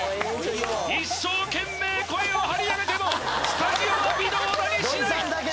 一生懸命声を張り上げてもスタジオは微動だにしない